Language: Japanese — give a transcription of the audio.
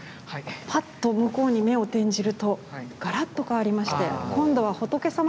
ぱっと向こうに目を転じるとがらっと変わりまして今度は仏様たち仏画です。